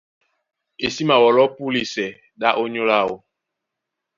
E sí mawɔlɔ́ púlisɛ ɗá ónyólá áō.